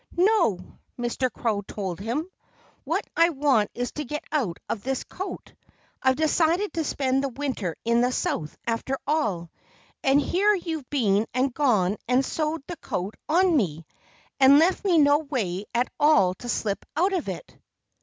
"No!" Mr. Crow told him. "What I want is to get out of this coat. I've decided to spend the winter in the South, after all. And here you've been and gone and sewed the coat on me, and left me no way at all to slip out of it."